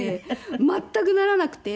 全くならなくて。